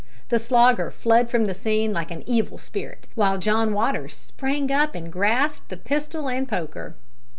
The Slogger fled from the scene like an evil spirit, while John Waters sprang up and grasped the pistol and poker.